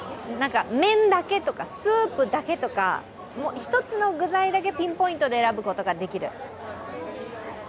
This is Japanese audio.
麺だけとか、スープだけとか、１つの具材だけピンポイントで選ぶことができる。